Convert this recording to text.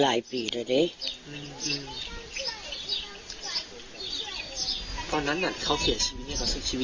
ที่บ้านมาได้ไปหาหมอท่านคุยกับผู้หญิงนี่พี่สาวบ้านผู้กัน